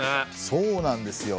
そうなんですよ。